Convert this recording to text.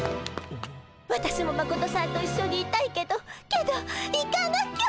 私もマコトさんと一緒にいたいけどけど行かなきゃっ！